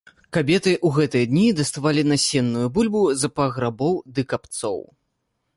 Кабеты ў гэтыя дні даставалі насенную бульбу з паграбоў ды капцоў.